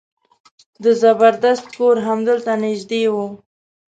د زبردست کور همدلته نژدې و.